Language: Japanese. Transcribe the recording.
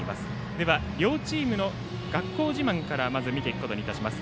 では、両チームの学校自慢から見ていくことにいたします。